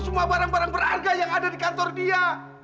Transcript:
semua barang barang berharga yang ada di kantor dia